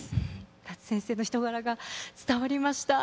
夏先生の人柄が伝わりました。